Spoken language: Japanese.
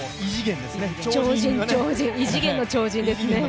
異次元の超人ですね。